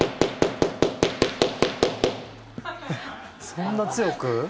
そんな強く？